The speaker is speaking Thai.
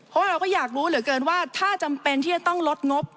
เพราะเราก็อยากรู้เหลือเกินว่าถ้าจำเป็นที่จะต้องลดงบ